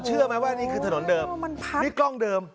เชื่อไหมว่านี่คือถนนเดิมนี่กล้องเดิม